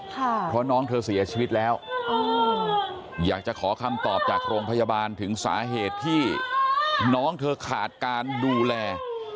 เพราะน้องเธอเสียชีวิตแล้วอยากจะขอคำตอบจากโรงพยาบาลถึงสาเหตุที่น้องเธอขาดการดูแล